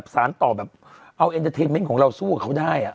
ปลอมนะครับ